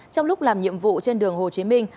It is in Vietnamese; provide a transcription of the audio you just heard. trong lúc làm nhiệm vụ trên đường hồ chí minh